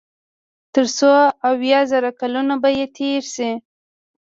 تر څو اويا زره کلونه به ئې تېر شي